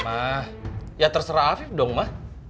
ma ya terserah afif dong ma